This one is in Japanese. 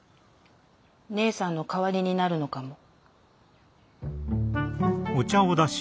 姉さんの代わりになるのかも。